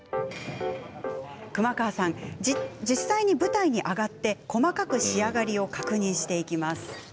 熊川さん、実際に舞台に上がって細かく仕上がりを確認していきます。